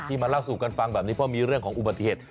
มาเล่าสู่กันฟังแบบนี้เพราะมีเรื่องของอุบัติเหตุ